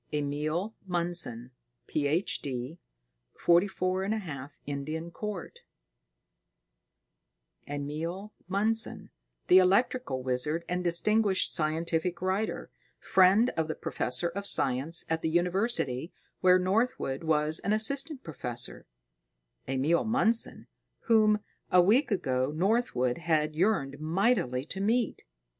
Emil Mundson, Ph. D., 44 1/2 Indian Court Emil Mundson, the electrical wizard and distinguished scientific writer, friend of the professor of science at the university where Northwood was an assistant professor; Emil Mundson, whom, a week ago, Northwood had yearned mightily to meet.